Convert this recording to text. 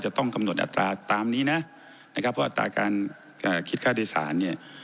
ต้องกำหนดอัตราตามนี้นะนะครับเพราะอัตราการคิดค่าโดยสารเนี่ย